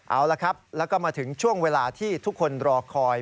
เอาละครับแล้วก็มาถึงช่วงเวลาที่ทุกคนรอคอย